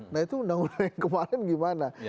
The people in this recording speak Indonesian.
nah itu undang undang yang kemarin gimana